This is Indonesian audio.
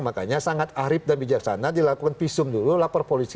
makanya sangat arif dan bijaksana dilakukan visum dulu lapor polisi